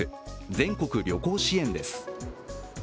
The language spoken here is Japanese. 全国旅行支援です。